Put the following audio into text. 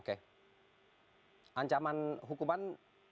oke ancaman hukuman